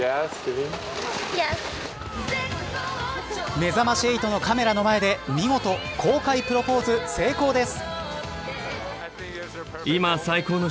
めざまし８のカメラの前で見事、公開プロポーズ成功です。